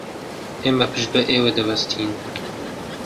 ئێمە پشت بە ئێوە دەبەستین.